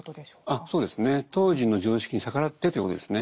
あそうですね。当時の常識に逆らってということですね。